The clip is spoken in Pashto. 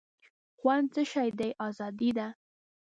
خوند څه شی دی آزادي ده.